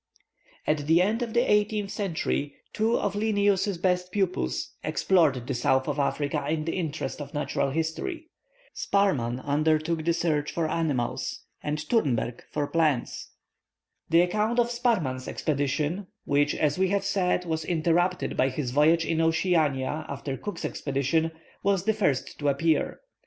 At the end of the eighteenth century, two of Linnæus's best pupils explored the south of Africa in the interests of natural history. Sparrman undertook to search for animals, and Thunberg for plants. The account of Sparrman's expedition, which, as we have said, was interrupted by his voyage in Oceania, after Cook's expedition, was the first to appear.